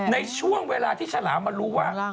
ในช่วงเวลาที่ฉลามมารู้ว่า